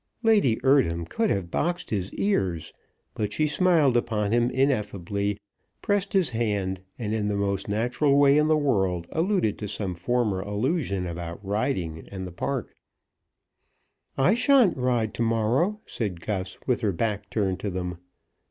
Lady Eardham could have boxed his ears; but she smiled upon him ineffably, pressed his hand, and in the most natural way in the world alluded to some former allusion about riding and the park. "I shan't ride to morrow," said Gus, with her back turned to them.